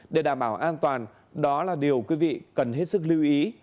để đảm bảo an toàn đó là điều quý vị cần hết sức lưu ý